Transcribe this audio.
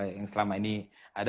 yang selama ini ada